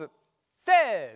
せの！